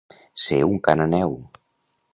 Ser un cananeu.